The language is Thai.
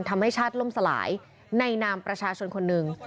ทำให้ชาติล่มสลายในนามประชาชนคนหนึ่ง